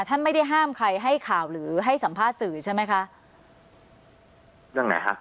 ท่านไม่ได้ห้ามใครให้ข่าวหรือให้สัมภาษณ์สื่อใช่ไหมคะเรื่องไหนฮะ